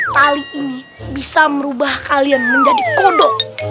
tali ini bisa merubah kalian menjadi kodok